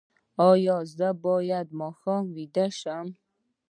ایا زه باید د ماښام ویده شم؟